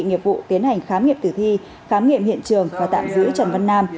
nghiệp vụ tiến hành khám nghiệm tử thi khám nghiệm hiện trường và tạm giữ trần văn nam